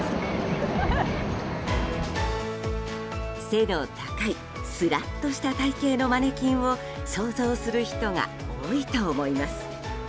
背の高いスラッとした体形のマネキンを想像する人が多いと思います。